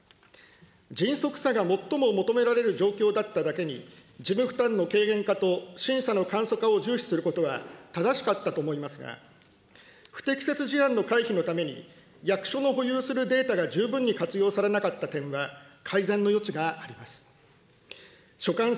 迅速さが最も求められる状況だっただけに、事務負担の軽減化と審査の簡素化を重視することは正しかったと思いますが、不適切事案の回避のために、役所の保有するデータが十分に活用されなかった点は、改善の余地があります。